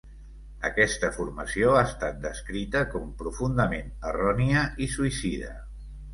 Aquesta formació ha estat descrita com "profundament errònia" i "suïcida".